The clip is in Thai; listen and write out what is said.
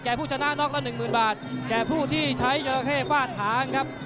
แก่ผู้ชนะหน็อกประพัทย์แก่ผู้ที่ใช้จอรเหี้ยฟาจทามครับ